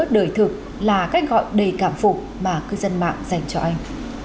được là cách gọi đầy cảm phục mà cư dân mạng dành cho anh